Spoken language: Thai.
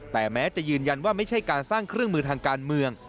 แต่แม้จะยืนยันว่าไม่ใช่การสร้างเครื่องมือทางการเมือง